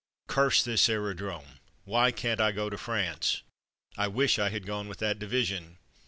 " Curse this Aero drome; why can't I go to France.'^ I wish I had gone with that division."